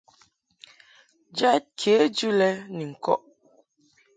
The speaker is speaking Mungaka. Jɛd kejɨ lɛ ni ŋkɔʼ .